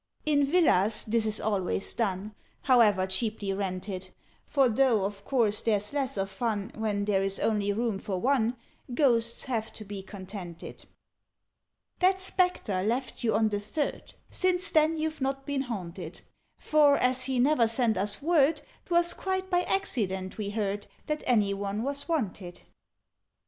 "In Villas this is always done However cheaply rented: For, though of course there's less of fun When there is only room for one, Ghosts have to be contented. "That Spectre left you on the Third Since then you've not been haunted: For, as he never sent us word, 'Twas quite by accident we heard That any one was wanted.